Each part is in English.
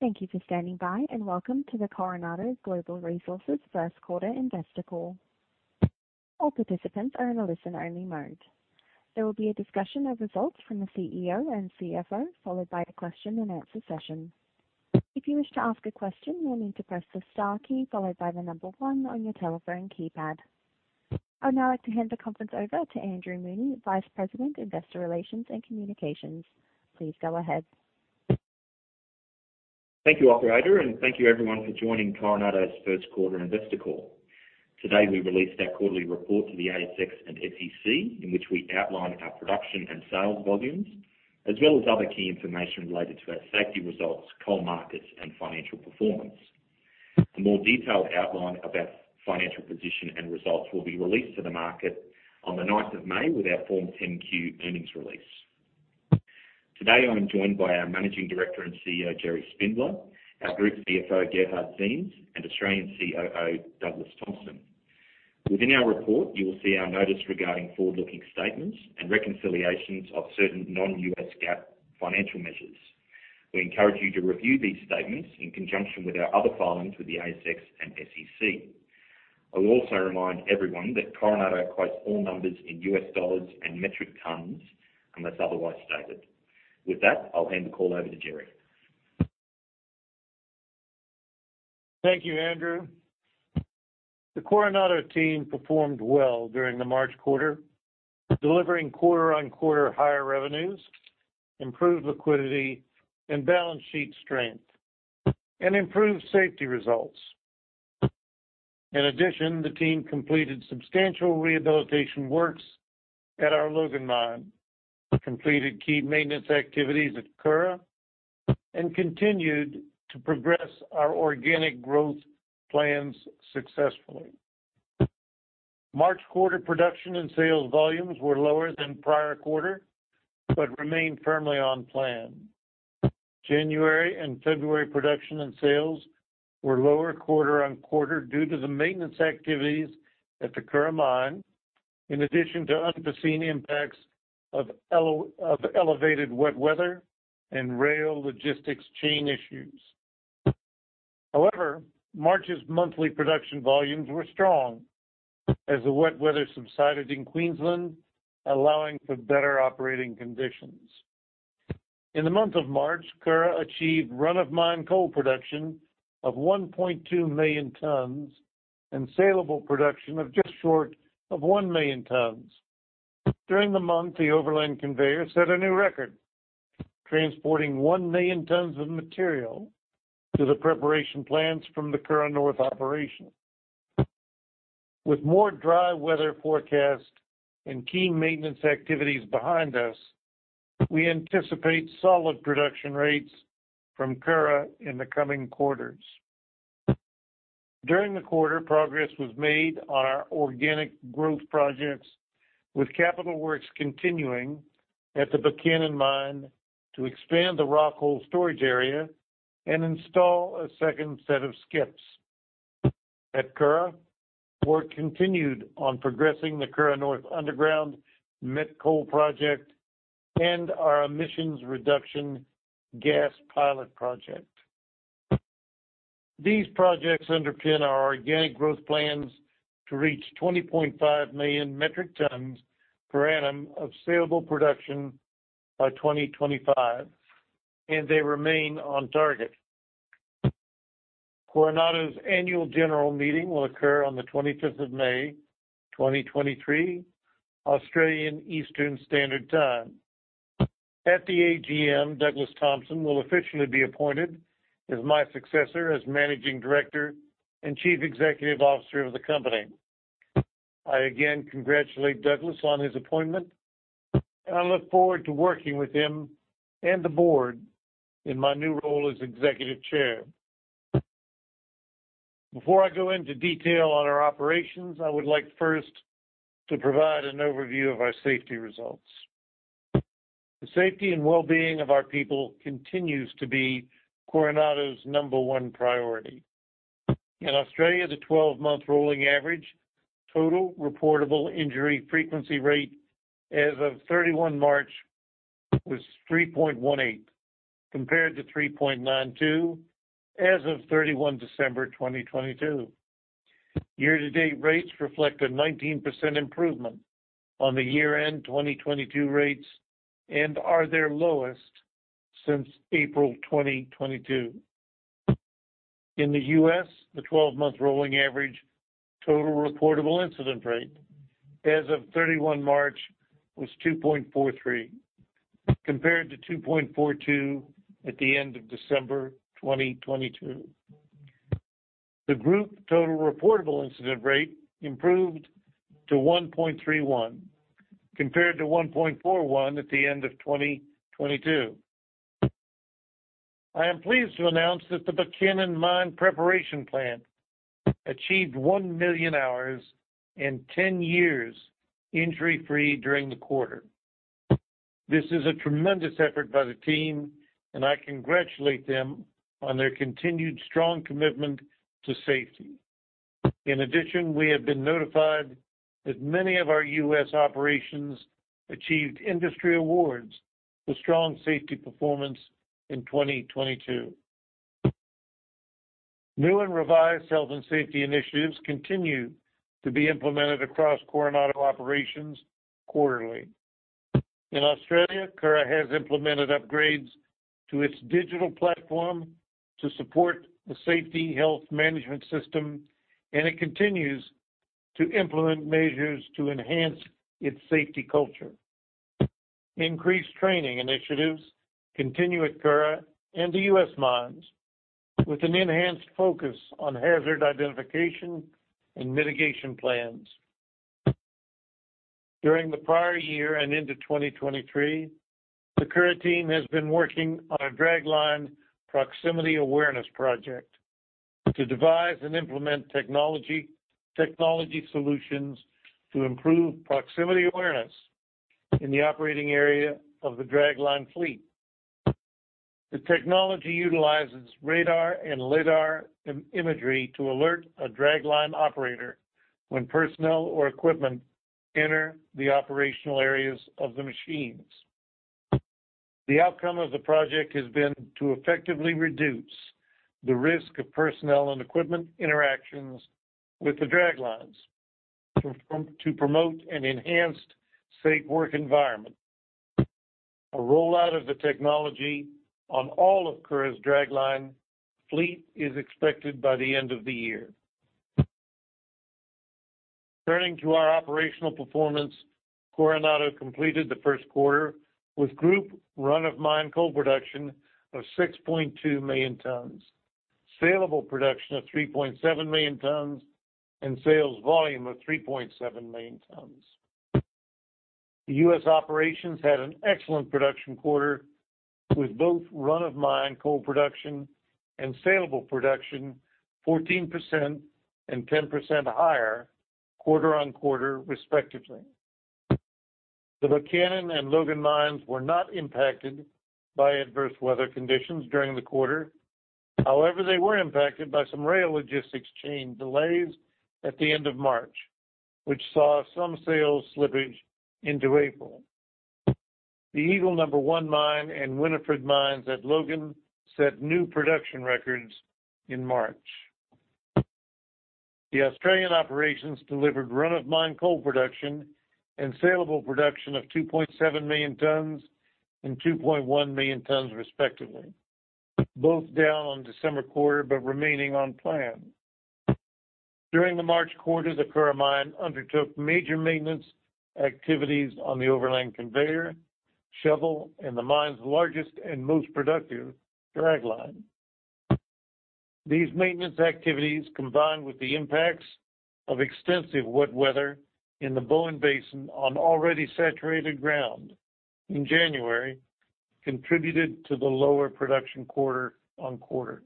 Thank you for standing by and welcome to the Coronado Global Resources first quarter investor call. All participants are in a listen-only mode. There will be a discussion of results from the CEO and CFO, followed by a Q&A session. If you wish to ask a question, you'll need to press the star key followed by the number one on your telephone keypad. I'd now like to hand the conference over to Andrew Mooney, Vice President, Investor Relations and Communications. Please go ahead. Thank you, operator, thank you everyone for joining Coronado's first quarter investor call. Today, we released our quarterly report to the ASX and SEC, in which we outline our production and sales volumes, as well as other key information related to our safety results, coal markets, and financial performance. A more detailed outline of our financial position and results will be released to the market on the ninth of May with our Form 10-Q earnings release. Today, I'm joined by our Managing Director and CEO, Gerry Spindler, our Group CFO, Gerhard Ziems, Australian COO, Douglas Thompson. Within our report, you will see our notice regarding forward-looking statements and reconciliations of certain non-US GAAP financial measures. We encourage you to review these statements in conjunction with our other filings with the ASX and SEC. I'll also remind everyone that Coronado quotes all numbers in U.S. dollars and metric tons unless otherwise stated. With that, I'll hand the call over to Gerry. Thank you, Andrew. The Coronado team performed well during the March quarter, delivering quarter-on-quarter higher revenues, improved liquidity and balance sheet strength, and improved safety results. In addition, the team completed substantial rehabilitation works at our Logan mine, completed key maintenance activities at Curragh, and continued to progress our organic growth plans successfully. March quarter production and sales volumes were lower than prior quarter but remained firmly on plan. January and February production and sales were lower quarter-on-quarter due to the maintenance activities at the Curragh mine, in addition to unforeseen impacts of elevated wet weather and rail logistics chain issues. March's monthly production volumes were strong as the wet weather subsided in Queensland, allowing for better operating conditions. In the month of March, Curragh achieved run-of-mine coal production of 1.2 million tons and saleable production of just short of 1 million tons. During the month, the overland conveyor set a new record, transporting 1 million tons of material to the preparation plants from the Curragh North operation. With more dry weather forecast and key maintenance activities behind us, we anticipate solid production rates from Curragh in the coming quarters. During the quarter, progress was made on our organic growth projects, with capital works continuing at the Buchanan mine to expand the rock hole storage area and install a second set of skips. At Curragh, work continued on progressing the Curragh North underground met coal project and our emissions reduction gas pilot project. These projects underpin our organic growth plans to reach 20 million metric tons per annum of saleable production by 2025. They remain on target. Coronado's annual general meeting will occur on the 25th of May 2023, Australian Eastern Standard Time. At the AGM, Douglas Thompson will officially be appointed as my successor as Managing Director and Chief Executive Officer of the company. I again congratulate Douglas on his appointment, and I look forward to working with him and the board in my new role as Executive Chair. Before I go into detail on our operations, I would like first to provide an overview of our safety results. The safety and well-being of our people continues to be Coronado's number one priority. In Australia, the 12-month rolling average total reportable injury frequency rate as of 31 March was 3.18, compared to 3.92 as of December 31, 2022. Year-to-date rates reflect a 19% improvement on the year-end 2022 rates and are their lowest since April 2022. In the U.S., the 12-month rolling average total reportable incident rate as of March 31 was 2.43, compared to 2.42 at the end of December 2022. The group total reportable incident rate improved to 1.31, compared to 1.41 at the end of 2022. I am pleased to announce that the Buchanan Mine Preparation Plant achieved one million hours and 10 years injury-free during the quarter. This is a tremendous effort by the team, and I congratulate them on their continued strong commitment to safety. In addition, we have been notified that many of our U.S. operations achieved industry awards for strong safety performance in 2022. New and revised health and safety initiatives continue to be implemented across Coronado operations quarterly. In Australia, Curragh has implemented upgrades to its digital platform to support the safety health management system, and it continues to implement measures to enhance its safety culture. Increased training initiatives continue at Curragh and the U.S. mines with an enhanced focus on hazard identification and mitigation plans. During the prior year and into 2023, the Curragh team has been working on a dragline proximity awareness project to devise and implement technology solutions to improve proximity awareness in the operating area of the dragline fleet. The technology utilizes radar and LiDAR imagery to alert a dragline operator when personnel or equipment enter the operational areas of the machines. The outcome of the project has been to effectively reduce the risk of personnel and equipment interactions with the draglines to promote an enhanced safe work environment. A rollout of the technology on all of Curragh's dragline fleet is expected by the end of the year. Turning to our operational performance, Coronado completed the first quarter with group run-of-mine coal production of 6.2 million tons, saleable production of 3.7 million tons, and sales volume of 3.7 million tons. The U.S. operations had an excellent production quarter with both run-of-mine coal production and saleable production 14% and 10% higher quarter-on-quarter, respectively. The Buchanan and Logan mines were not impacted by adverse weather conditions during the quarter. They were impacted by some rail logistics chain delays at the end of March, which saw some sales slippage into April. The Eagle No. 1 mine and Winifrede mines at Logan set new production records in March. The Australian operations delivered run-of-mine coal production and saleable production of 2.7 million tons and 2.1 million tons, respectively, both down on December quarter remaining on plan. During the March quarter, the Curragh Mine undertook major maintenance activities on the overland conveyor, shovel, and the mine's largest and most productive dragline. These maintenance activities, combined with the impacts of extensive wet weather in the Bowen Basin on already saturated ground in January, contributed to the lower production quarter-on-quarter.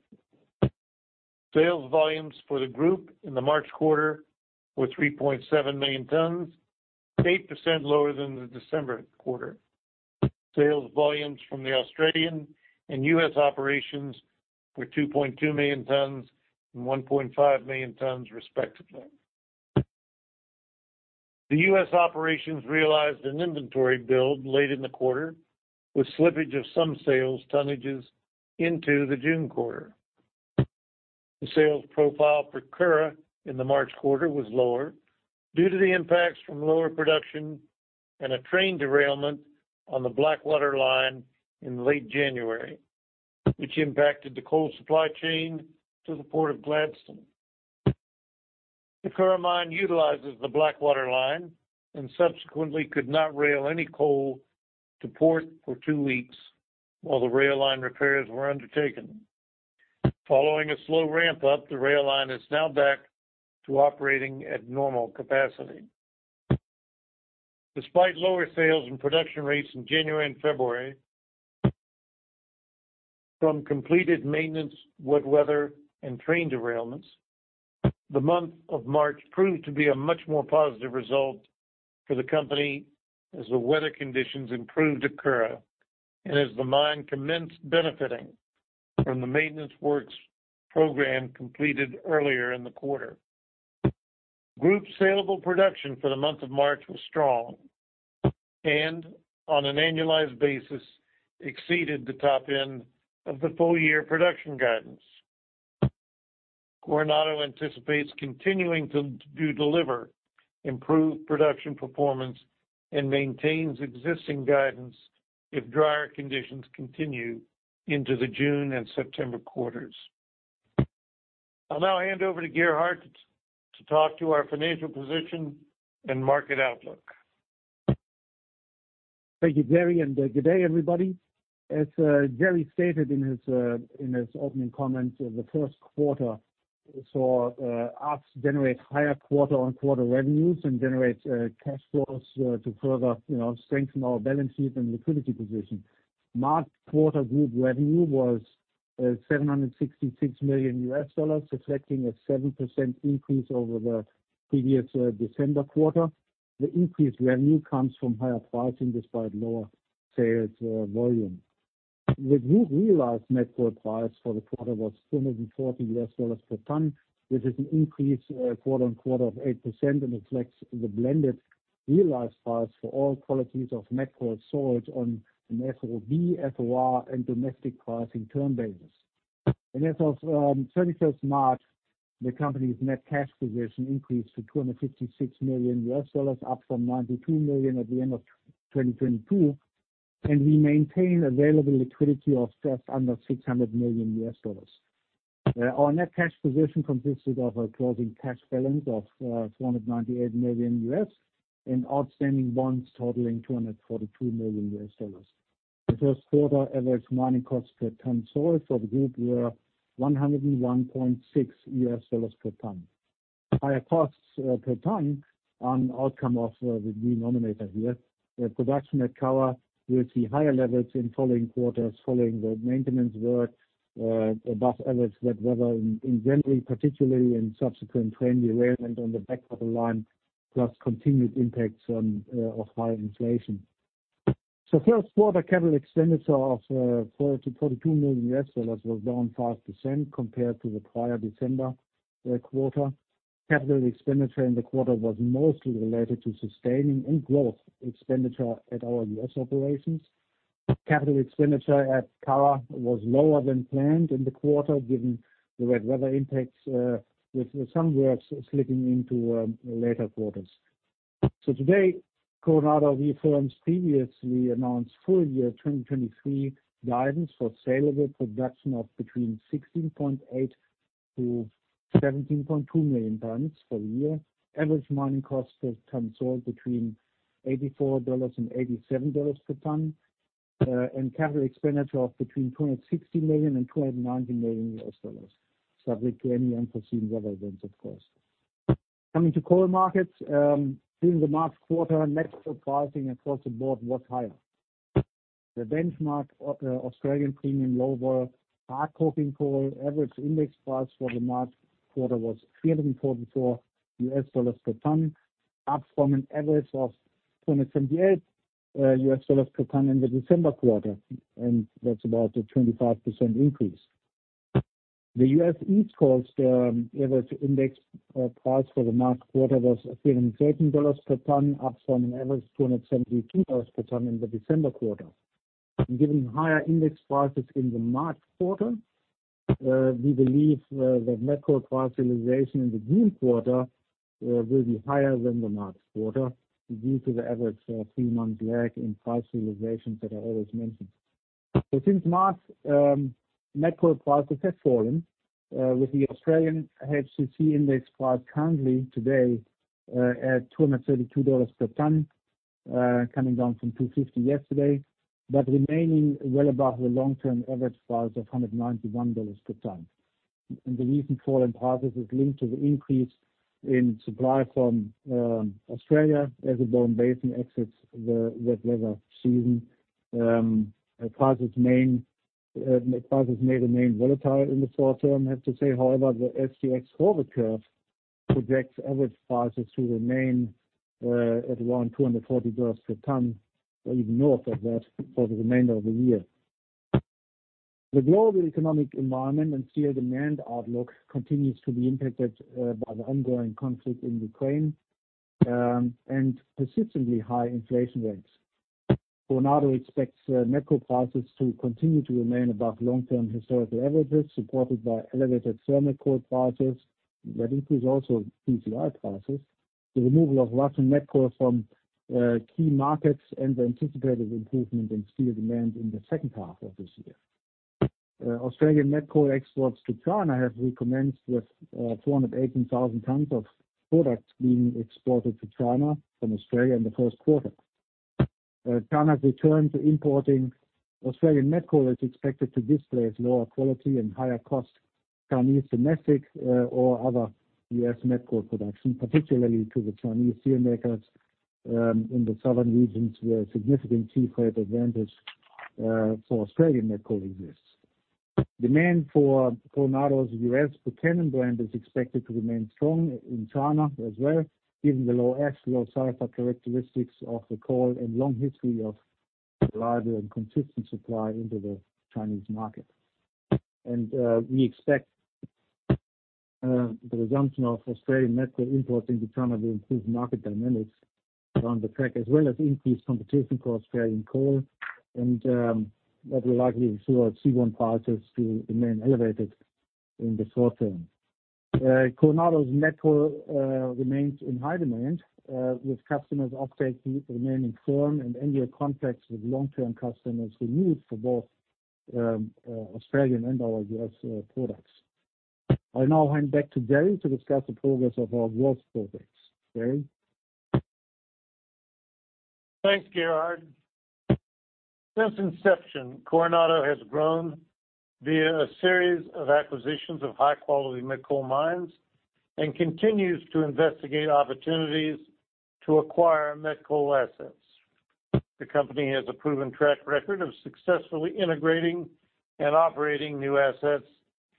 Sales volumes for the group in the March quarter were 3.7 million tons, 8% lower than the December quarter. Sales volumes from the Australian and U.S. operations were 2.2 million tons and 1.5 million tons, respectively. The U.S. operations realized an inventory build late in the quarter, with slippage of some sales tonnages into the June quarter. The sales profile for Curragh in the March quarter was lower due to the impacts from lower production and a train derailment on the Blackwater line in late January, which impacted the coal supply chain to the Port of Gladstone. The Curragh Mine utilizes the Blackwater line and subsequently could not rail any coal to port for two weeks while the rail line repairs were undertaken. Following a slow ramp-up, the rail line is now back to operating at normal capacity. Despite lower sales and production rates in January and February from completed maintenance, wet weather, and train derailments, the month of March proved to be a much more positive result for the company as the weather conditions improved at Curragh and as the mine commenced benefiting from the maintenance works program completed earlier in the quarter. Group saleable production for the month of March was strong and, on an annualized basis, exceeded the top end of the full-year production guidance. Coronado anticipates continuing to deliver improved production performance and maintains existing guidance if drier conditions continue into the June and September quarters. I'll now hand over to Gerhard to talk to our financial position and market outlook. Thank you, Gerry, good day, everybody. As Gerry stated in his opening comments, the first quarter saw us generate higher quarter-on-quarter revenues and generate cash flows to further, you know, strengthen our balance sheet and liquidity position. March quarter group revenue was $766 million, reflecting a 7% increase over the previous December quarter. The increased revenue comes from higher pricing despite lower sales volume. The group realized met coal price for the quarter was $240 per ton. This is an increase quarter-on-quarter of 8% and reflects the blended realized price for all qualities of met coal sold on an FOB, FOR and domestic pricing term basis. As of 31st March, the company's net cash position increased to $256 million, up from $92 million at the end of 2022, and we maintain available liquidity of just under $600 million. Our net cash position consisted of a closing cash balance of $298 million and outstanding bonds totaling $242 million. The first quarter average mining costs per tonne sold for the group were $101.6 per tonne. Higher costs per tonne are an outcome of the denominator here. Production at Curragh will see higher levels in following quarters following the maintenance work, above average wet weather in generally, particularly in subsequent train derailment on the back of the line, plus continued impacts of higher inflation. First quarter capital expenditure of $30 million-$42 million was down 5% compared to the prior December quarter. Capital expenditure in the quarter was mostly related to sustaining and growth expenditure at our U.S. operations. Capital expenditure at Curragh was lower than planned in the quarter, given the wet weather impacts, with some works slipping into later quarters. Today, Coronado reaffirms previously announced full year 2023 guidance for saleable production of between 16.8 million-17.2 million tonnes for the year. Average mining costs per tonne sold between $84 and $87 per tonne, and capital expenditure of between $260 million and $290 million U.S. dollars, subject to any unforeseen weather events of course. Coming to coal markets, during the March quarter, met coal pricing across the board was higher. The benchmark Australian premium low-vol hard coking coal average index price for the March quarter was $344 U.S. dollars per tonne, up from an average of $278 U.S .dollars per tonne in the December quarter, and that's about a 25% increase. The US East Coast average index price for the March quarter was $313 per tonne, up from an average $272 per tonne in the December quarter. Given higher index prices in the March quarter, we believe the met coal price realization in the June quarter will be higher than the March quarter due to the average three-month lag in price realizations that I always mention. Since March, met coal prices have fallen with the Australian HCC index price currently today at $232 per tonne, coming down from $250 yesterday, but remaining well above the long-term average price of $191 per tonne. The recent fall in prices is linked to the increase in supply from Australia as the Bowen Basin exits the wet weather season. Prices may remain volatile in the short term, I have to say. The SGX forward curve projects average prices to remain at around $240 per tonne or even north of that for the remainder of the year. The global economic environment and steel demand outlook continues to be impacted by the ongoing conflict in Ukraine and persistently high inflation rates. Coronado expects met coal prices to continue to remain above long-term historical averages, supported by elevated thermal coal prices. That includes also PCI prices. The removal of Russian met coal from key markets and the anticipated improvement in steel demand in the second half of this year. Australian met coal exports to China have recommenced with 418,000 tonnes of product being exported to China from Australia in the first quarter. China's return to importing Australian met coal is expected to displace lower quality and higher cost Chinese domestic or other US met coal production, particularly to the Chinese steelmakers in the southern regions, where a significant seafare advantage for Australian met coal exists. Demand for Coronado's US Buchanan brand is expected to remain strong in China as well, given the low ash, low sulfur characteristics of the coal and long history of reliable and consistent supply into the Chinese market. We expect the resumption of Australian met coal imports into China to improve market dynamics around the track, as well as increased competition for Australian coal and that will likely ensure C1 prices to remain elevated in the short term. Coronado's met coal remains in high demand with customers offtake remaining firm and annual contracts with long-term customers renewed for both Australian and our US products. I now hand back to Gerry to discuss the progress of our growth projects. Gerry? Thanks, Gerhard. Since inception, Coronado has grown via a series of acquisitions of high-quality met coal mines and continues to investigate opportunities to acquire met coal assets. The company has a proven track record of successfully integrating and operating new assets.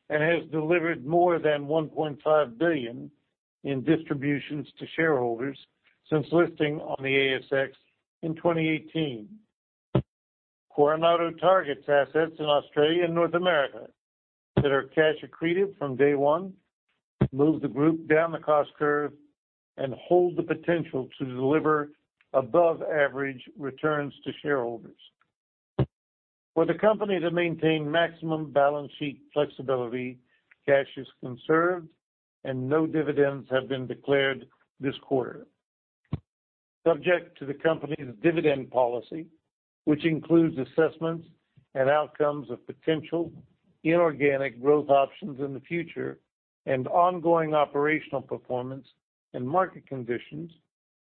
Has delivered more than $1.5 billion in distributions to shareholders since listing on the ASX in 2018. Coronado targets assets in Australia and North America that are cash accretive from day one, move the group down the cost curve and hold the potential to deliver above average returns to shareholders. For the company to maintain maximum balance sheet flexibility, cash is conserved and no dividends have been declared this quarter. Subject to the company's dividend policy, which includes assessments and outcomes of potential inorganic growth options in the future and ongoing operational performance and market conditions,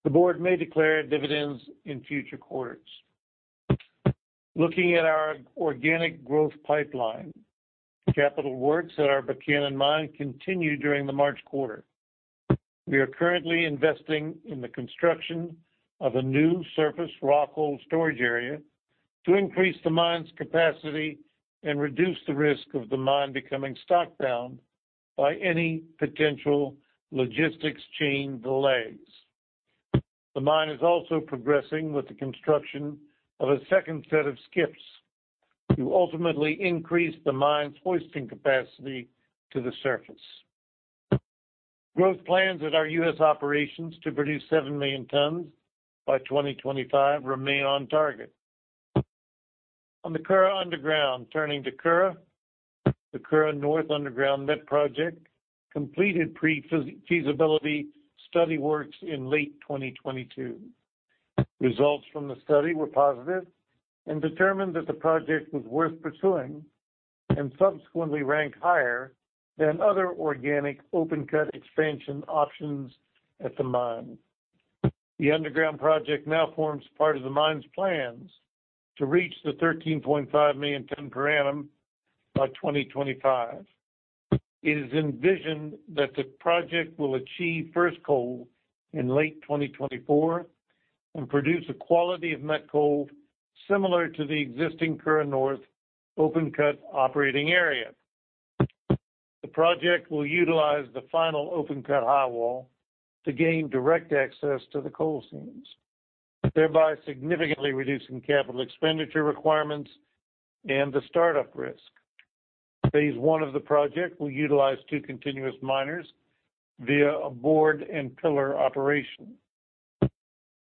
the board may declare dividends in future quarters. Looking at our organic growth pipeline. Capital works at our Buchanan Mine continued during the March quarter. We are currently investing in the construction of a new surface rock hole storage area to increase the mine's capacity and reduce the risk of the mine becoming stock-down by any potential logistics chain delays. The mine is also progressing with the construction of a second set of skips to ultimately increase the mine's hoisting capacity to the surface. Growth plans at our U.S. operations to produce 7 million tons by 2025 remain on target. On the Curragh underground. Turning to Curragh, the Curragh North Underground Met Project completed pre-feasibility study works in late 2022. Results from the study were positive and determined that the project was worth pursuing and subsequently ranked higher than other organic open cut expansion options at the mine. The underground project now forms part of the mine's plans to reach the 13.5 million tons per annum by 2025. It is envisioned that the project will achieve first coal in late 2024 and produce a quality of met coal similar to the existing Curragh North open cut operating area. The project will utilize the final open cut highwall to gain direct access to the coal seams, thereby significantly reducing capital expenditure requirements and the startup risk. Phase 1 of the project will utilize two continuous miners via a bord and pillar operation.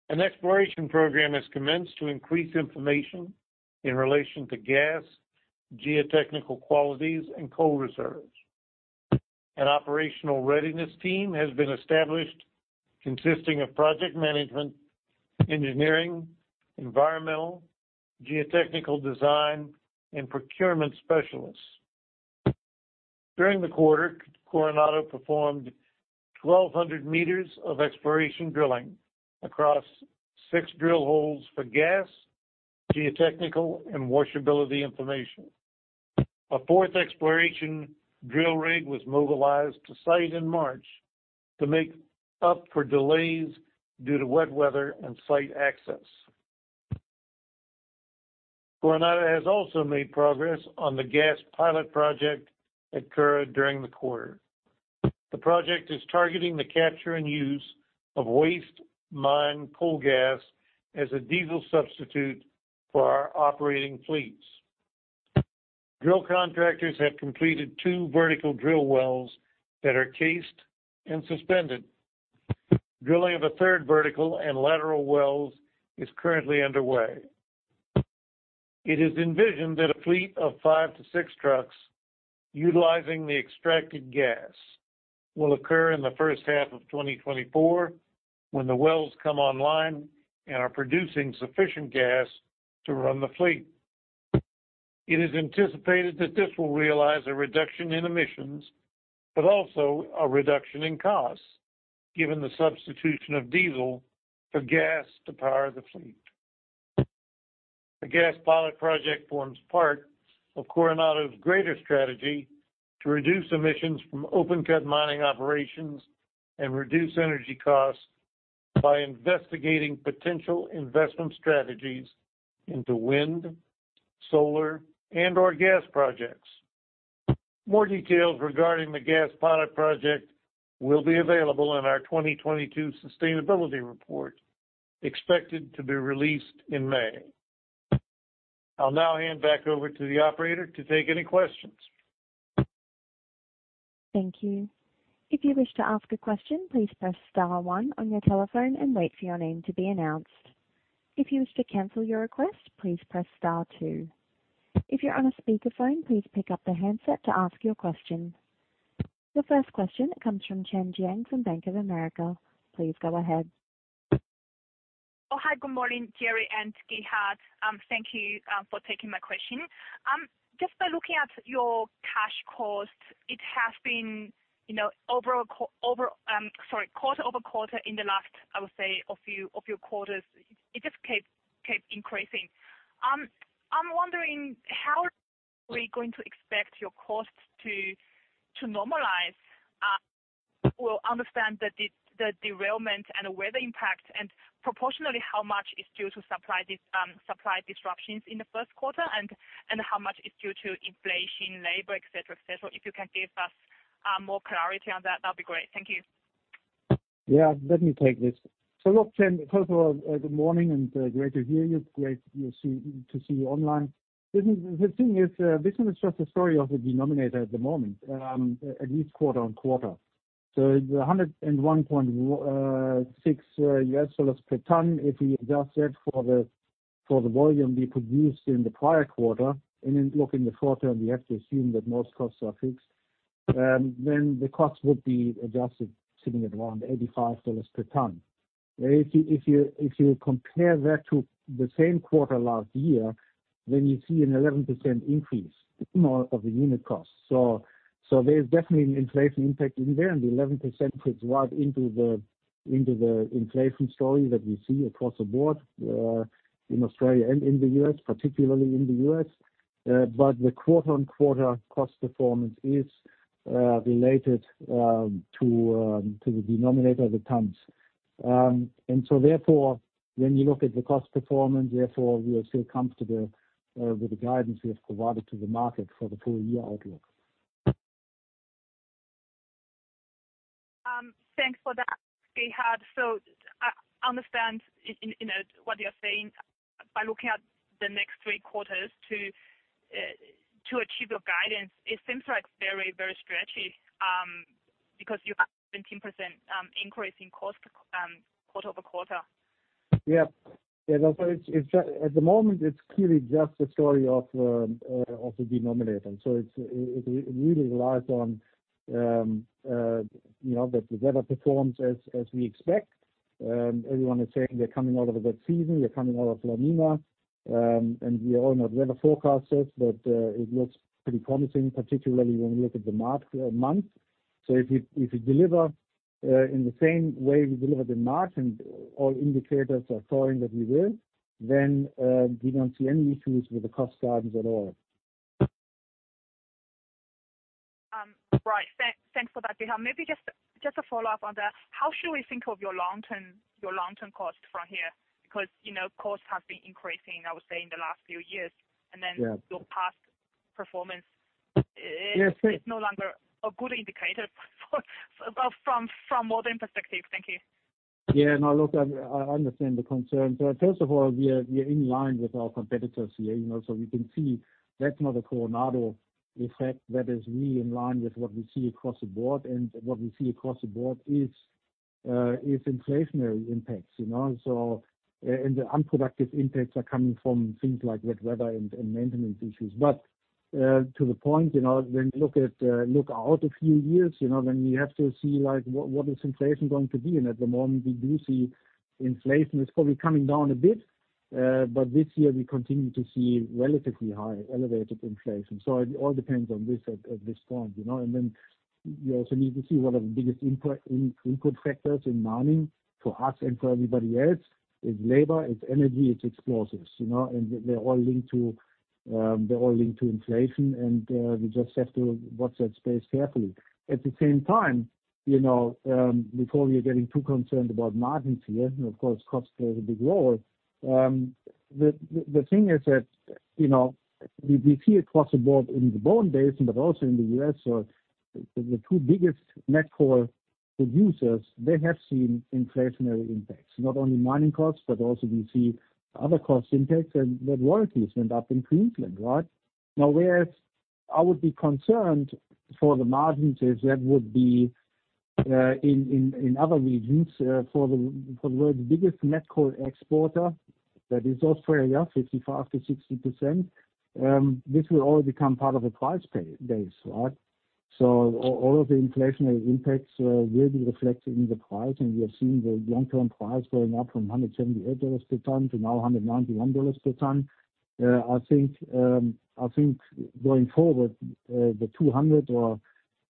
An exploration program has commenced to increase information in relation to gas, geotechnical qualities and coal reserves. An operational readiness team has been established consisting of project management, engineering, environmental, geotechnical design and procurement specialists. During the quarter, Coronado performed 1,200 meters of exploration drilling across 6 drill holes for gas, geotechnical and washability information. A fourth exploration drill rig was mobilized to site in March to make up for delays due to wet weather and site access. Coronado has also made progress on the gas pilot project at Curragh during the quarter. The project is targeting the capture and use of waste mine coal gas as a diesel substitute for our operating fleets. Drill contractors have completed 2 vertical drill wells that are cased and suspended. Drilling of a third vertical and lateral wells is currently underway. It is envisioned that a fleet of 5-6 trucks utilizing the extracted gas will occur in the first half of 2024 when the wells come online and are producing sufficient gas to run the fleet. It is anticipated that this will realize a reduction in emissions, but also a reduction in costs given the substitution of diesel for gas to power the fleet. The gas pilot project forms part of Coronado's greater strategy to reduce emissions from open-cut mining operations and reduce energy costs by investigating potential investment strategies into wind, solar and/or gas projects. More details regarding the gas pilot project will be available in our 2022 sustainability report, expected to be released in May. I'll now hand back over to the operator to take any questions. Thank you. If you wish to ask a question, please press star one on your telephone and wait for your name to be announced. If you wish to cancel your request, please press star two. If you're on a speakerphone, please pick up the handset to ask your question. The first question comes from Chen Jiang from Bank of America. Please go ahead. Hi, good morning, Gerry and Gerhard. Thank you for taking my question. Just by looking at your cash costs, it has been, you know, over quarter-over-quarter in the last, I would say, of your quarters, it just keep increasing. I'm wondering how are we going to expect your costs to normalize? Will understand the derailment and the weather impact and proportionally, how much is due to supply disruptions in the first quarter, and how much is due to inflation, labor, et cetera. If you can give us more clarity on that'd be great. Thank you. Yeah. Let me take this. Look, Chen, first of all, good morning and great to hear you. Great to see you online. Listen, the thing is, this one is just a story of the denominator at the moment, at least quarter-on-quarter. The $101.6 per ton, if you adjust that for the volume we produced in the prior quarter, and then looking the quarter, we have to assume that most costs are fixed. The cost would be adjusted, sitting at around $85 per ton. If you compare that to the same quarter last year, you see an 11% increase, you know, of the unit cost. There's definitely an inflation impact in there, and the 11% fits right into the, into the inflation story that we see across the board, in Australia and in the U.S., particularly in the U.S. The quarter-on-quarter cost performance is related to the denominator of the tons. Therefore, when you look at the cost performance, therefore we are still comfortable with the guidance we have provided to the market for the full year outlook. Thanks for that, Gerhard. I understand in, you know, what you're saying. By looking at the next three quarters to achieve your guidance, it seems like very stretchy, because you have 17% increase in cost quarter-over-quarter. Yeah. Yeah. No, it's at the moment, it's clearly just a story of the denominator. It really relies on, you know, that the weather performs as we expect. Everyone is saying they're coming out of a good season. They're coming out of La Niña. We all know weather forecasters. It looks pretty promising, particularly when we look at the March month. If we deliver in the same way we delivered in March and all indicators are showing that we will, we don't see any issues with the cost guidance at all. Right. Thanks for that, Gerhard. Maybe just to follow up on that. How should we think of your long-term cost from here? You know, costs have been increasing, I would say, in the last few years. Yeah. Your past performance. Yes. It's no longer a good indicator for, from modern perspective. Thank you. Yeah. No, look, I understand the concern. First of all, we are in line with our competitors here, you know. We can see that's not a Coronado effect. That is really in line with what we see across the board. What we see across the board is inflationary impacts, you know. The unproductive impacts are coming from things like with weather and maintenance issues. To the point, you know, when you look at a few years, you know, then we have to see, like, what is inflation going to be? At the moment, we do see inflation is probably coming down a bit. This year we continue to see relatively high elevated inflation. It all depends on this at this point, you know. You also need to see one of the biggest input factors in mining for us and for everybody else is labor, it's energy, it's explosives, you know. They're all linked to inflation. We just have to watch that space carefully. At the same time, you know, before we are getting too concerned about margins here, of course, costs play the big role. The thing is that, you know, we see across the board in the Bowen Basin, but also in the U.S. or the two biggest met coal producers, they have seen inflationary impacts, not only mining costs, but also we see other cost impacts and the royalties went up in Queensland, right? Whereas I would be concerned for the margins is that would be in other regions, for the world's biggest met coal exporter, that is Australia, 55%-60%. This will all become part of the price base, right? All of the inflationary impacts will be reflected in the price. We are seeing the long-term price going up from $178 per ton to now $191 per ton. I think, I think going forward, the $200 or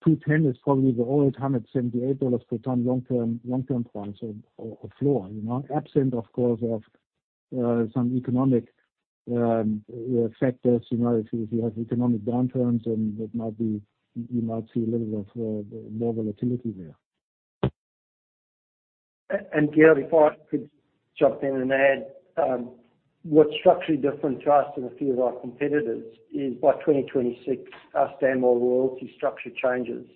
$210 is probably the old $178 per ton long-term price or floor, you know. Absent of course of some economic factors, you know, if you, if you have economic downturns and that might be, you might see a little bit of more volatility there. Gerry, if I could jump in and add, what's structurally different to us and a few of our competitors is by 2026 our Stanmore royalty structure changes.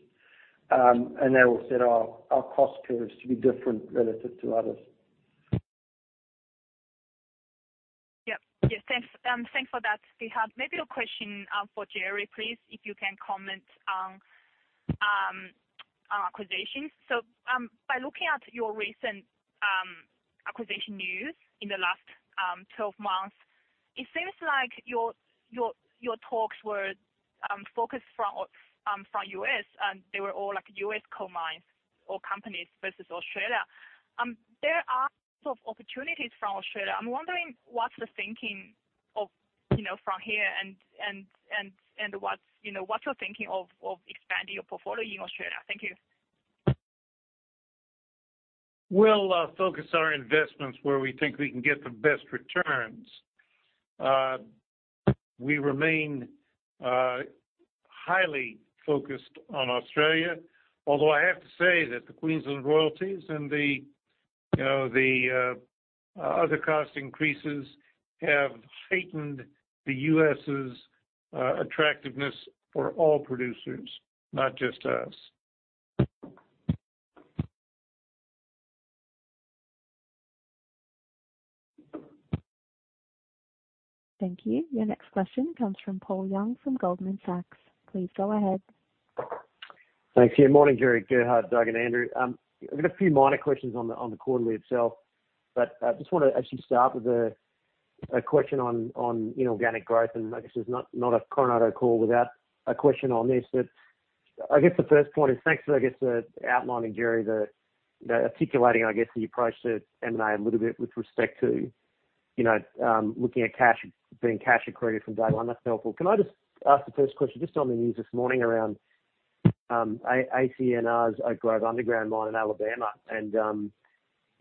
That will set our cost curves to be different relative to others. Yep. Yes, thanks. Thanks for that, Gerhard. Maybe a question for Gerry, please, if you can comment on acquisitions. By looking at your recent acquisition news in the last 12 months, it seems like your talks were focused from from U.S., and they were all like U.S. coal mines or companies versus Australia. There are lots of opportunities from Australia. I'm wondering, what's the thinking of, you know, from here and what's, you know, what's your thinking of expanding your portfolio in Australia? Thank you. We'll focus our investments where we think we can get the best returns. We remain highly focused on Australia, although I have to say that the Queensland royalties and the, you know, the other cost increases have heightened the U.S.'s attractiveness for all producers, not just us. Thank you. Your next question comes from Paul Young from Goldman Sachs. Please go ahead. Thanks. Yeah. Morning, Gerry, Gerhard, Doug, and Andrew. I've got a few minor questions on the, on the quarterly itself, but I just wanna actually start with a question on inorganic growth, and I guess there's not a Coronado call without a question on this. I guess the first point is, thanks for, I guess, outlining, Gerry, the articulating, I guess, the approach to M&A a little bit with respect to, you know, being cash accretive from day one. That's helpful. Can I just ask the first question? Just on the news this morning around ACNR's Oak Grove underground mine in Alabama.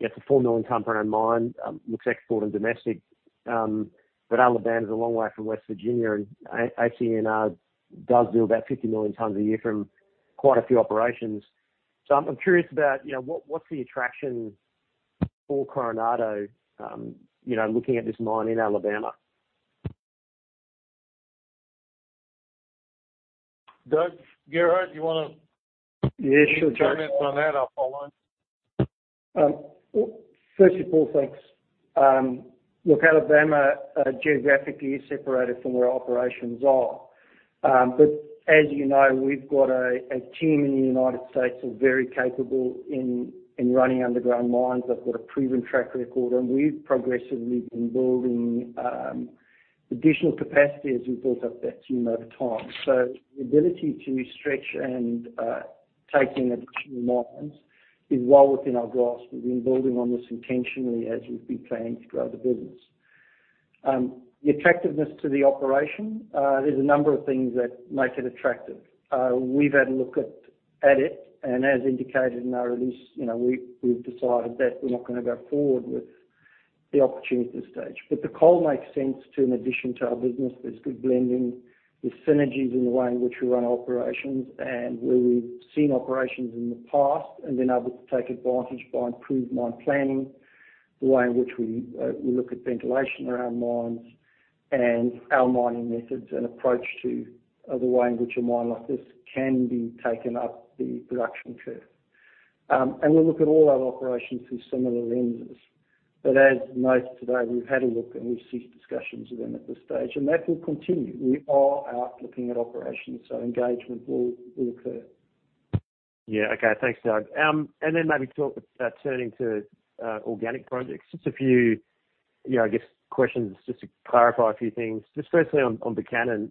Yeah, it's a 4 million ton per annum mine, looks export and domestic. Alabama's a long way from West Virginia, and ACNR does do about 50 million tons a year from quite a few operations. I'm curious about, you know, what's the attraction for Coronado, you know, looking at this mine in Alabama? Doug, Gerhard, do you wanna-. Yeah, sure. comment on that? I'll follow on. First of all, thanks. Look, Alabama, geographically is separated from where our operations are. As you know, we've got a team in the United States who are very capable in running underground mines. They've got a proven track record, and we've progressively been building additional capacity as we built up that team over time. The ability to stretch and taking additional mines is well within our grasp. We've been building on this intentionally as we've been planning to grow the business. The attractiveness to the operation, there's a number of things that make it attractive. We've had a look at it, and as indicated in our release, you know, we've decided that we're not gonna go forward with the opportunity at this stage. The coal makes sense to an addition to our business. There's good blending. There's synergies in the way in which we run our operations and where we've seen operations in the past and been able to take advantage by improved mine planning, the way in which we look at ventilation around mines and our mining methods and approach to the way in which a mine like this can be taken up the production curve. We'll look at all our operations through similar lenses. As most today, we've had a look, and we've ceased discussions with them at this stage, and that will continue. We are out looking at operations, so engagement will occur. Yeah. Okay. Thanks, Doug. Turning to organic projects, just a few, you know, I guess, questions just to clarify a few things. Just firstly on Buchanan,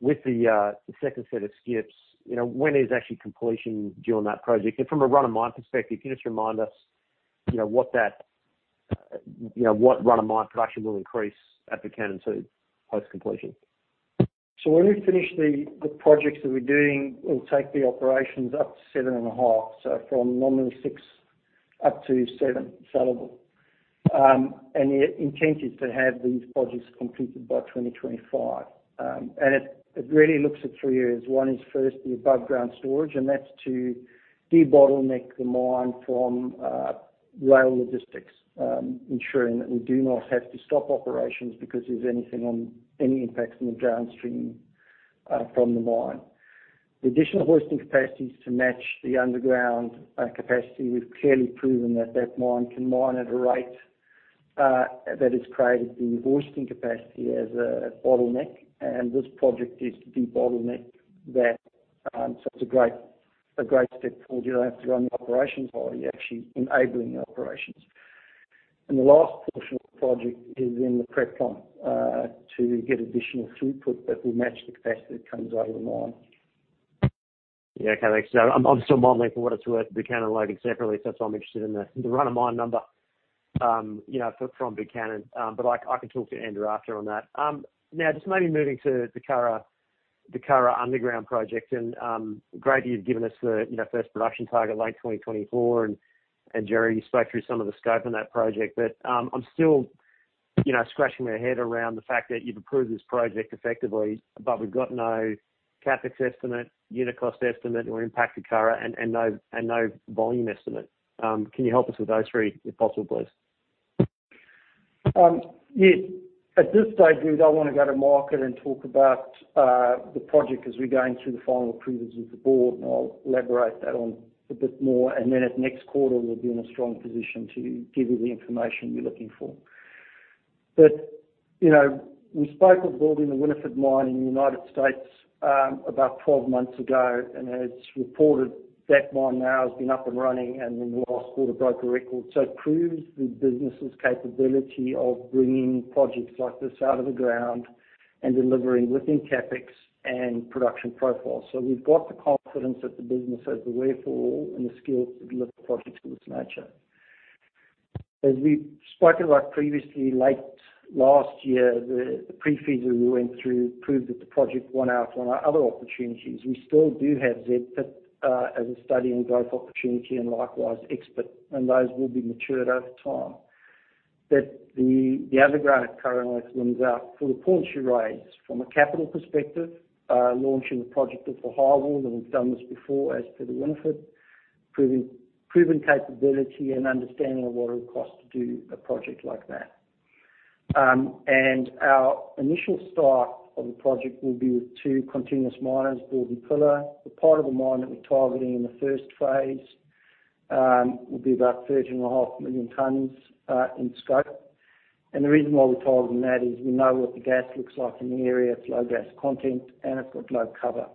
with the second set of skips, you know, when is actually completion due on that project? From a run-of-mine perspective, can you just remind us, you know, what that, you know, what run-of-mine production will increase at Buchanan too post-completion? When we finish the projects that we're doing, it'll take the operations up to 7.5, so from normally six up to seven sellable. The intent is to have these projects completed by 2025. It really looks at 3 areas. One is first the above-ground storage, and that's to debottleneck the mine from rail logistics, ensuring that we do not have to stop operations because there's any impacts on the ground streaming from the mine. The additional hoisting capacity is to match the underground capacity. We've clearly proven that mine can mine at a rate that has created the hoisting capacity as a bottleneck. This project is to debottleneck that, so it's a great step forward. You don't have to run the operations while you're actually enabling the operations. The last portion of the project is in the prep plant to get additional throughput that will match the capacity that comes out of the mine. Yeah. Okay. Thanks. I'm still modeling for what it's worth, the Buchanan loading separately, so that's why I'm interested in the run-of-mine number, you know, from Buchanan. I can talk to Andrew after on that. Now just maybe moving to the Curragh, the Curragh Underground Project, and great that you've given us the, you know, first production target, late 2024, and Gerry, you spoke through some of the scope on that project. I'm still, you know, scratching my head around the fact that you've approved this project effectively, but we've got no CapEx estimate, unit cost estimate or impact to Curragh and no volume estimate. Can you help us with those three, if possible, please? At this stage, we don't wanna go to market and talk about the project as we're going through the final approvals with the board, and I'll elaborate that on a bit more. At next quarter, we'll be in a strong position to give you the information you're looking for. You know, we spoke of building the Winifrede mine in the United States about 12 months ago, and as reported, that mine now has been up and running and in the last quarter broke a record. It proves the business's capability of bringing projects like this out of the ground and delivering within CapEx and production profiles. We've got the confidence that the business has the wherewithal and the skill to deliver projects of this nature. As we've spoken about previously, late last year, the pre-feas that we went through proved that the project won out on our other opportunities. We still do have Z Pit as a study and growth opportunity and likewise X-Pit, and those will be matured over time. The underground at Curragh wins out for the points you raise. From a capital perspective, launching the project of the highwall, and we've done this before as per the Winifrede, proven capability and understanding of what it would cost to do a project like that. Our initial start of the project will be with two continuous miners building pillar. The part of the mine that we're targeting in the first phase, will be about 13.5 million tons, in scope. The reason why we're targeting that is we know what the gas looks like in the area. It's low gas content, and it's got low cover.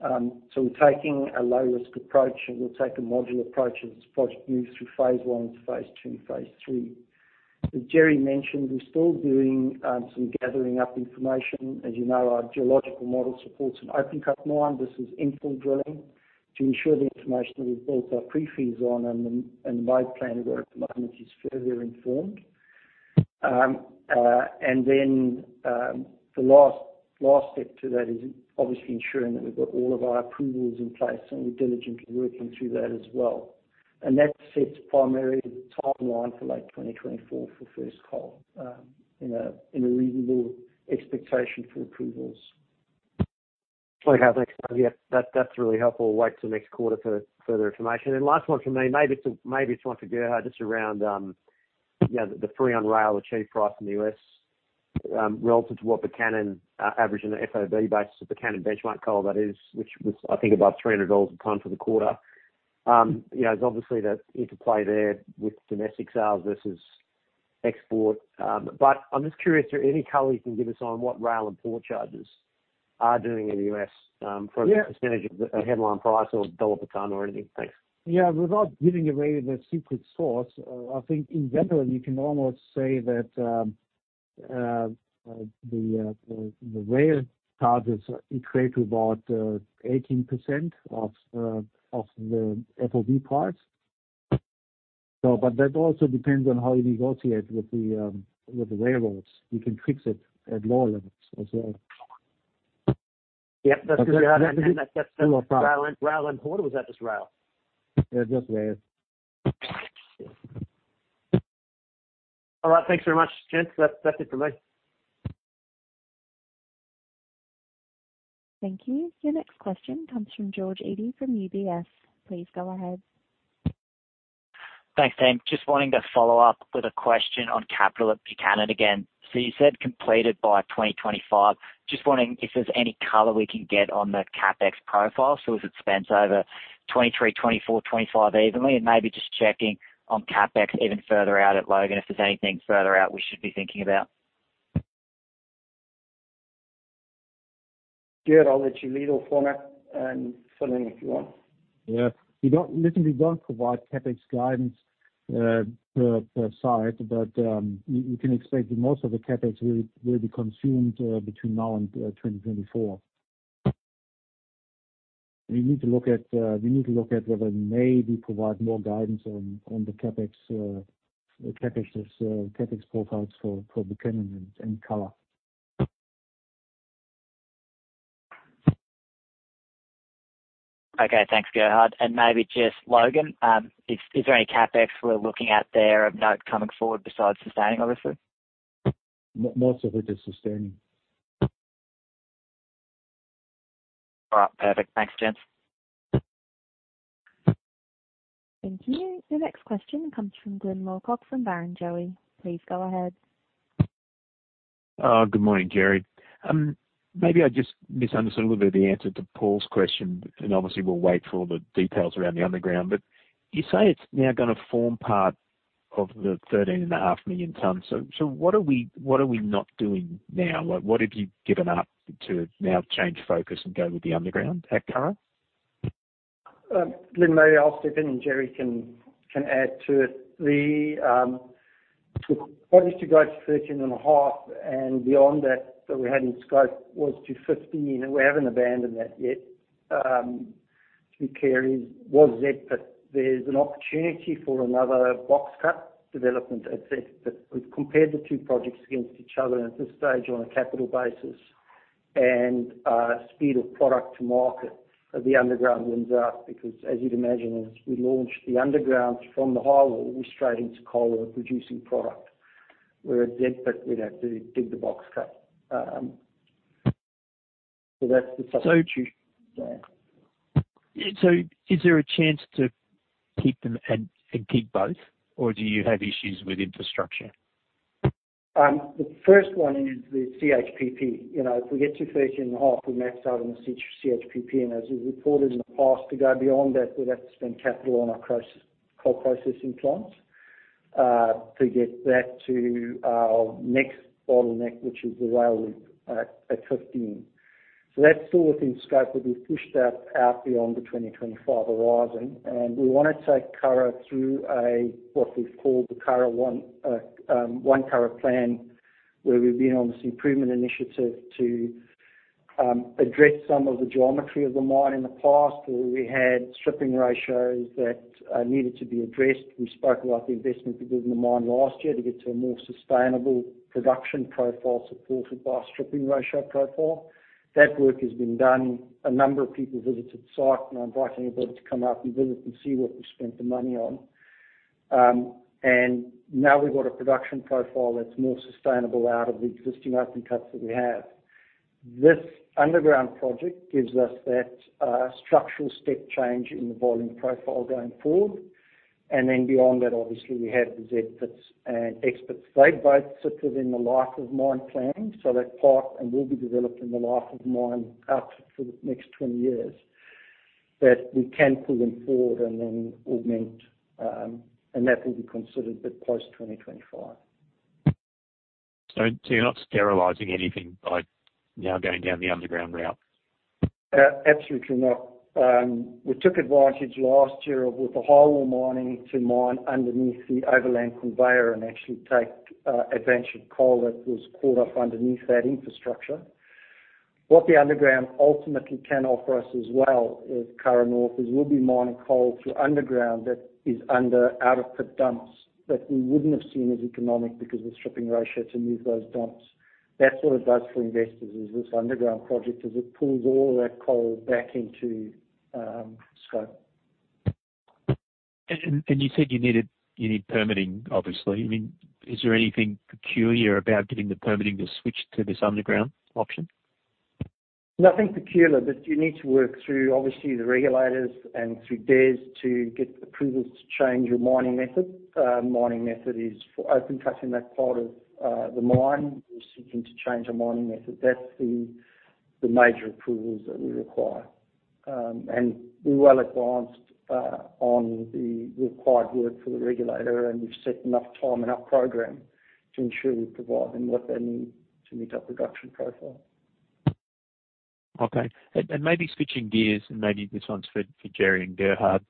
We're taking a low-risk approach, and we'll take a modular approach as the project moves through phase one to phase two, phase three. As Gerry mentioned, we're still doing, some gathering up information. As you know, our geological model supports an open-cut mine. This is infill drilling to ensure the information that we've built our pre-feas on and the mine plan where at the moment is further informed. Then, the last step to that is obviously ensuring that we've got all of our approvals in place, and we're diligently working through that as well. That sets primary timeline for late 2024 for first coal, in a reasonable expectation for approvals. Okay. Thanks. Yeah, that's really helpful. We'll wait till next quarter for further information. And last one from me, maybe it's one for Gerhard, just around, yeah, the free on rail, the cheap price in the U.S., relative to what Buchanan average on an FOB basis of Buchanan benchmark coal that is, which was I think above $300 a ton for the quarter. You know, there's obviously that interplay there with domestic sales versus export. But I'm just curious if there are any color you can give us on what rail and port charges are doing in the U.S., from a percentage? Yeah. -of the headline price or dollar per ton or anything. Thanks. Yeah. Without giving away the secret source, I think in general you can almost say that the rail charges equate to about 18% of the FOB price. That also depends on how you negotiate with the railroads. You can fix it at lower levels as well. Yep. That's clear. But that's- Rail and port, or was that just rail? Yeah, just rail. All right. Thanks very much, Ger. That's it from me. Thank you. Your next question comes from George Eadie from UBS. Please go ahead. Thanks, Sam. Just wanting to follow up with a question on capital at Buchanan again. You said completed by 2025. Just wondering if there's any color we can get on the CapEx profile? Is it spent over 2023, 2024, 2025 evenly? Maybe just checking on CapEx even further out at Logan, if there's anything further out we should be thinking about? Ger, I'll let you lead off on that and fill in if you want. We don't provide CapEx guidance per site, you can expect that most of the CapEx will be consumed between now and 2024. We need to look at whether we may be provide more guidance on the CapEx profiles for Buchanan and Curragh. Okay. Thanks, Gerhard. Maybe just Logan. Is there any CapEx we're looking at there of note coming forward besides sustaining obviously? Most of it is sustaining. All right. Perfect. Thanks, George. Thank you. Your next question comes from Glyn Lawcock from Barrenjoey. Please go ahead. Good morning, Gerry. Maybe I just misunderstood a little bit of the answer to Paul's question, and obviously we'll wait for all the details around the underground. You say it's now gonna form part of the 13.5 million tons. What are we, what are we not doing now? Like, what have you given up to now change focus and go with the underground at Curragh? Glyn Lawcock, maybe I'll step in and Gerry Spindler can add to it. The project to go to 13.5 and beyond that we had in scope was to 15, and we haven't abandoned that yet. To be clear was that, there's an opportunity for another box cut development assessed. We've compared the two projects against each other and at this stage on a capital basis and speed of product to market, the underground wins out because as you'd imagine, as we launch the underground from the highwall, we're straight into coal. We're producing product. Z Pit we'd have to dig the box cut. That's the- So- decision there. Is there a chance to keep them and dig both, or do you have issues with infrastructure? The first one is the CHPP. You know, if we get to 13.5, we max out on the C-CHPP. As we've reported in the past, to go beyond that, we'd have to spend capital on our coal processing plants to get that to our next bottleneck, which is the rail loop at 15. That's still within scope, but we've pushed that out beyond the 2025 horizon, and we wanna take Curragh through a, what we've called the Curragh One Curragh plan, where we've been on this improvement initiative to address some of the geometry of the mine in the past, where we had stripping ratios that needed to be addressed. We spoke about the investment we did in the mine last year to get to a more sustainable production profile supported by stripping ratio profile. That work has been done. A number of people visited the site, and I invite anybody to come up and visit and see what we spent the money on. Now we've got a production profile that's more sustainable out of the existing open cuts that we have. This underground project gives us that structural step change in the volume profile going forward. Beyond that, obviously, we have the Z pits and X pits. They both sit within the life of mine plan. That part and will be developed in the life of mine out for the next 20 years. We can pull them forward and then augment, and that will be considered a bit post-2025. You're not sterilizing anything by now going down the underground route? Absolutely not. We took advantage last year of with the whole mining to mine underneath the overland conveyor and actually take advantage of coal that was caught up underneath that infrastructure. What the underground ultimately can offer us as well is Curragh North, is we'll be mining coal through underground that is under out of pit dumps that we wouldn't have seen as economic because of the stripping ratio to move those dumps. That's what it does for investors is this underground project, is it pulls all of that coal back into scope. You said you need permitting, obviously. I mean, is there anything peculiar about getting the permitting to switch to this underground option? Nothing peculiar. You need to work through, obviously, the regulators and through DES to get approvals to change your mining method. Mining method is for open cutting that part of the mine. We're seeking to change the mining method. That's the major approvals that we require. We're well advanced on the required work for the regulator, and we've set enough time in our program to ensure we provide them what they need to meet our production profile. Okay. Maybe switching gears, and maybe this one's for Gerry and Gerhard.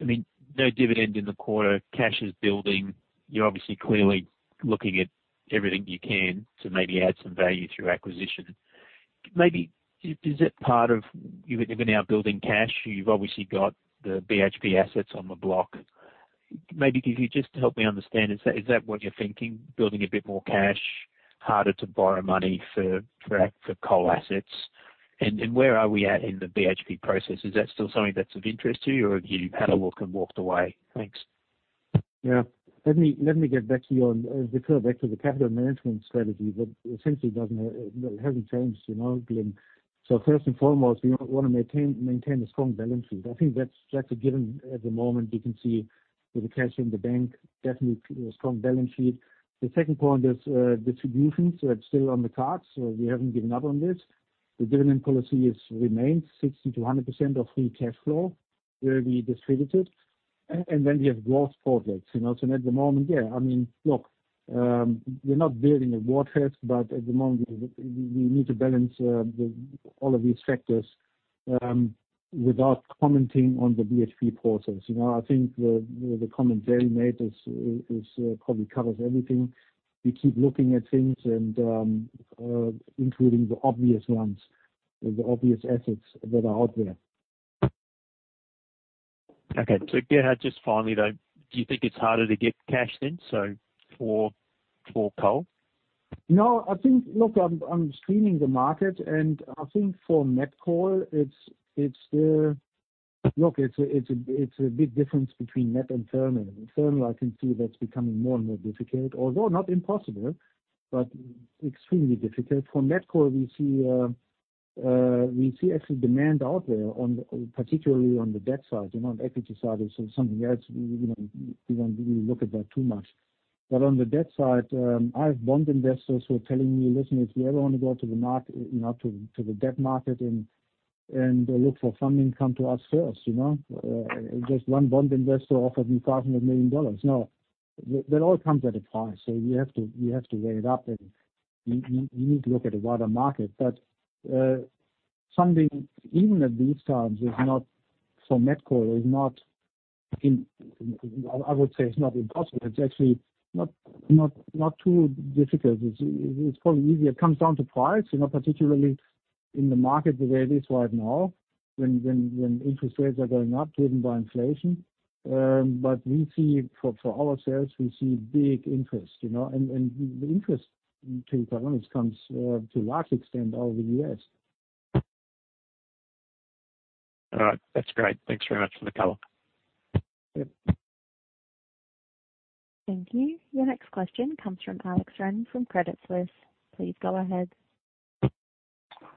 I mean, no dividend in the quarter, cash is building. You're obviously clearly looking at everything you can to maybe add some value through acquisition. Maybe is it part of you are now building cash? You've obviously got the BHP assets on the block. Maybe could you just help me understand, is that what you're thinking? Building a bit more cash, harder to borrow money for coal assets. Where are we at in the BHP process? Is that still something that's of interest to you, or have you had a look and walked away? Thanks. Yeah. Let me get back to you on, refer back to the capital management strategy that essentially doesn't that hasn't changed, you know, Glyn. First and foremost, we wanna maintain a strong balance sheet. I think that's just a given at the moment. You can see with the cash in the bank, definitely a strong balance sheet. The second point is, distributions are still on the cards. We haven't given up on this. The dividend policy is remained 60% to 100% of free cash flow will be distributed. And then we have growth projects, you know. At the moment, yeah, I mean, look, we're not building a war chest, but at the moment, we need to balance the all of these factors, without commenting on the BHP process. You know, I think the comment Gerry made is probably covers everything. We keep looking at things and, including the obvious ones, the obvious assets that are out there. Okay. Gerhard, just finally, though, do you think it's harder to get cash then, so for coal? No. I think, look, I'm screening the market, and I think for met coal, it's the, look, it's a big difference between met and thermal. Thermal I can see that's becoming more and more difficult, although not impossible, but extremely difficult. For met coal, we see actually demand out there on, particularly on the debt side. You know, the equity side is something else. We don't really look at that too much. On the debt side, I have bond investors who are telling me, "Listen, if you ever wanna go, you know, to the debt market and look for funding, come to us first," you know. Just one bond investor offered me thousands of million dollars. Now, that all comes at a price. You have to weigh it up and you need to look at the wider market. Something even at these times is not, for met coal, I would say it's not impossible. It's actually not too difficult. It's probably easier. It comes down to price, you know, particularly in the market the way it is right now when interest rates are going up driven by inflation. We see for our sales, we see big interest, you know. The interest to economics comes to a large extent out of the U.S. All right. That's great. Thanks very much for the color. Yep. Thank you. Your next question comes from Alex Ren from Credit Suisse. Please go ahead.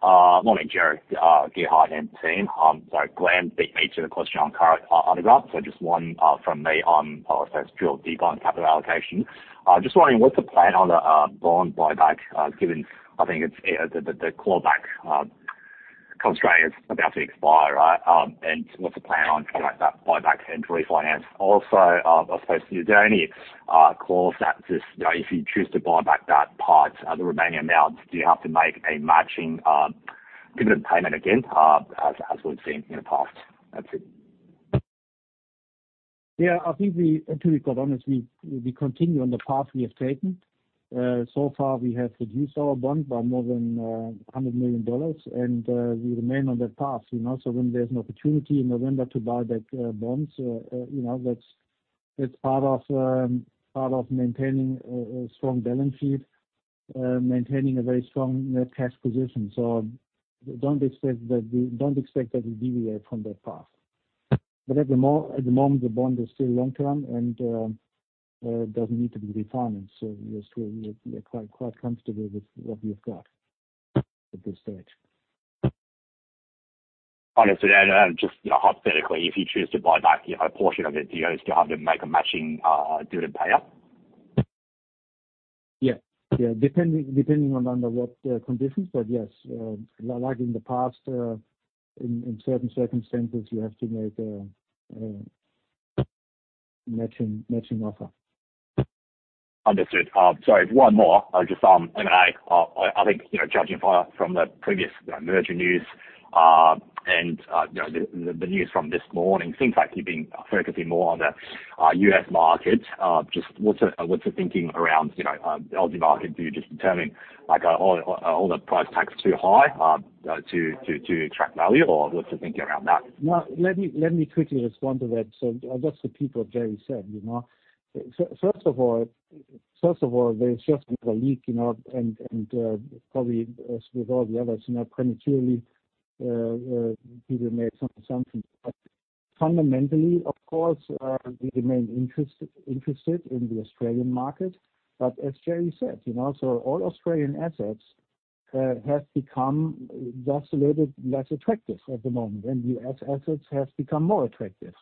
Morning, Gerry, Gerhard, and team. Sorry, Glyn beat me to the question on Curragh underground. Just one from me on, I suppose, drill deeper on capital allocation. Just wondering what's the plan on the bond buyback, given I think it's the callback constraint is about to expire, right? What's the plan on kind of like that buyback and refinance? Also, I suppose to you, is there any clause that just, you know, if you choose to buy back that part, the remaining amount, do you have to make a matching dividend payment again, as we've seen in the past? That's it. Yeah, I think we, to be quite honest, we continue on the path we have taken. So far we have reduced our bond by more than $100 million, and we remain on that path, you know. When there's an opportunity in November to buy back bonds, you know, that's part of maintaining a strong balance sheet, maintaining a very strong net cash position. Don't expect that we deviate from that path. At the moment, the bond is still long-term and it doesn't need to be refinanced. We're still quite comfortable with what we've got at this stage. Understood. Just, you know, hypothetically, if you choose to buy back, you know, a portion of it, do you guys still have to make a matching, dividend payout? Yeah. Yeah. Depending on under what conditions, but yes. Like in the past, in certain circumstances, you have to make a matching offer. Understood. Sorry, one more. Just M&A. I think, you know, judging via from the previous, you know, merger news, and, you know, the news from this morning seems like you've been focusing more on the U.S. market. What's the thinking around, you know, the Aussie market? Are you just determining like, are all the price tags too high to attract value, or what's the thinking around that? No. Let me quickly respond to that. Just to repeat what Gerry said, you know. First of all, there's just been a leak, you know, and, probably, as with all the others, you know, prematurely, people make some assumptions. Fundamentally, of course, we remain interested in the Australian market. As Gerry said, you know, all Australian assets have become just a little less attractive at the moment, and U.S. assets have become more attractive.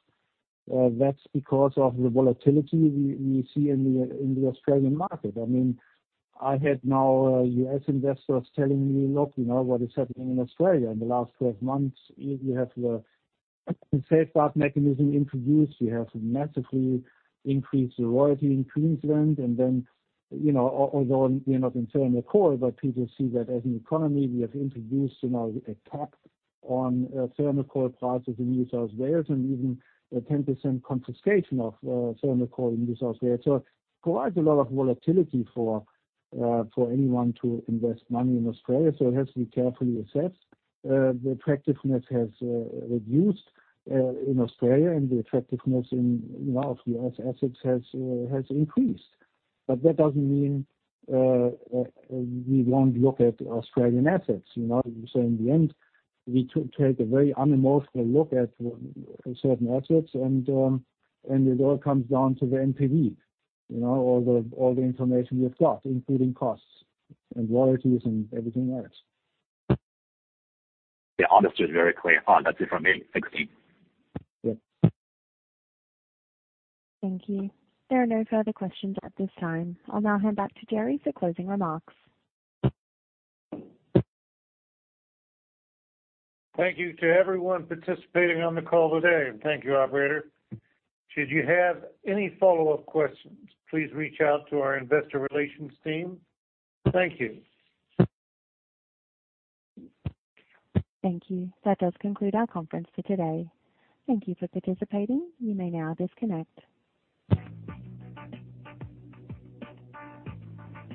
That's because of the volatility we see in the Australian market. I mean, I had now U.S. investors telling me, "Look, you know, what is happening in Australia?" In the last 12 months you have the Safeguard Mechanism introduced, you have massively increased the royalty in Queensland. You know, although we're not in thermal coal, but people see that as an economy, we have introduced, you know, a tax on thermal coal prices in New South Wales and even a 10% confiscation of thermal coal in New South Wales. Quite a lot of volatility for anyone to invest money in Australia, so it has to be carefully assessed. The attractiveness has reduced in Australia, and the attractiveness in, you know, of U.S. assets has increased. That doesn't mean we won't look at Australian assets, you know. In the end, we take a very unemotional look at certain assets and it all comes down to the NPV, you know, all the, all the information we've got, including costs and royalties and everything else. Yeah. Understood. Very clear. That's it from me. Thanks, Ger. Yeah. Thank you. There are no further questions at this time. I'll now hand back to Gerry for closing remarks. Thank you to everyone participating on the call today. Thank you, operator. Should you have any follow-up questions, please reach out to our investor relations team. Thank you. Thank you. That does conclude our conference for today. Thank you for participating. You may now disconnect.